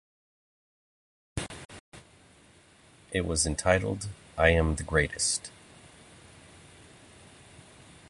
It was entitled I Am the Greatest!